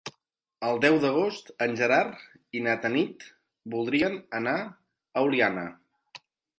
El deu d'agost en Gerard i na Tanit voldrien anar a Oliana.